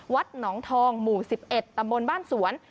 วัดหนองทองหมู่๑๑ตำบลบ้านสวน